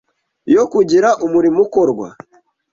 yo kugira umurimo ukorwa